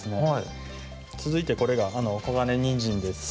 つづいてこれが「黄金にんじん」です。